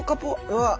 うわっ！